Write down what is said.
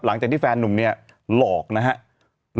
หลังจากที่แฟนหนุ่มหลอกนะครับ